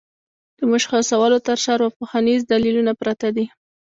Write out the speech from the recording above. د مشخصولو تر شا ارواپوهنيز دليلونه پراته دي.